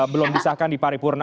belum disahkan di paripurna